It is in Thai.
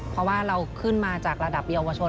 เพราะว่าเราขึ้นมาจากระดับเยาวชน